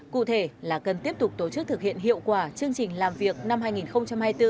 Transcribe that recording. cụ thể là cần tiếp tục tổ chức thực hiện hiệu quả chương trình làm việc năm hai nghìn hai mươi bốn